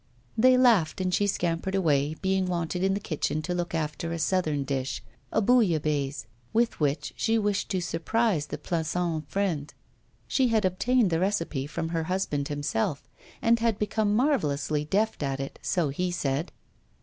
They laughed, and she scampered away, being wanted in the kitchen to look after a southern dish, a bouillabaisse, with which she wished to surprise the Plassans friend. She had obtained the recipe from her husband himself, and had become marvellously deft at it, so he said.